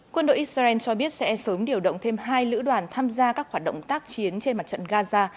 quân đội israel cho biết sẽ sớm điều động thêm hai lữ đoàn tham gia các hoạt động tác chiến trên mặt trận gaza